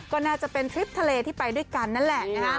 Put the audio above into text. ก็น่าจะเป็นทริปทะเลที่ไปด้วยกันนั่นแหละนะฮะ